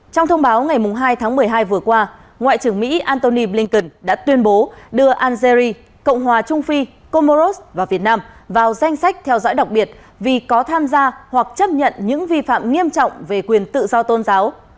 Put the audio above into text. trong thông báo ngày hai tháng một mươi hai vừa qua ngoại trưởng mỹ antony blinken đã tuyên bố đưa algeri cộng hòa trung phi comoros vào việt nam vào danh sách theo dõi đặc biệt vì có tham gia hoặc chấp nhận những vi phạm nghiêm trọng về quyền tự do tôn giáo